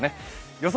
予想